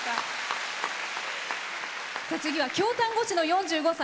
次は京丹後市の４５歳。